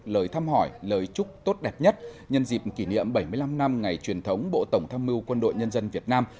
lời thăm hỏi lời chúc tốt đẹp nhất nhân dịp kỷ niệm bảy mươi năm năm ngày truyền thống bộ tổng tham mưu quân đội nhân dân việt nam